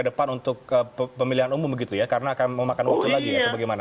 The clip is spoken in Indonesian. jadi ke depan untuk pemilihan umum begitu ya karena akan memakan waktu lagi atau bagaimana